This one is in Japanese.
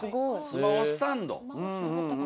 スマホスタンド。